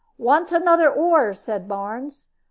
"Wants another oar," said Barnes.